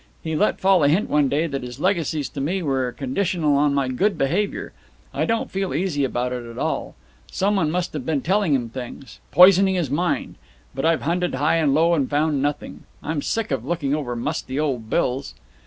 He let fall a hint one day that his legacies to me were conditional on my good behaviour. I don't feel easy about it at all. Some one must have been telling him things poisoning his mind. But I've hunted high and low, and found nothing. I'm sick of looking over musty old bills."